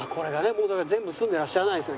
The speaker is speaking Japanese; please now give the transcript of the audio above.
もうだから全部住んでらっしゃらないんですよ。